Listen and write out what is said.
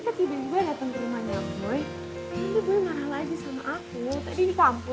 nanti boy marah lagi sama aku